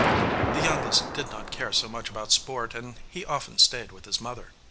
The youngest did not care so much about sport, and he often stayed with his mother.